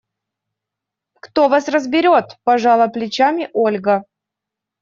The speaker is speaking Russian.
– Кто вас разберет! – пожала плечами Ольга.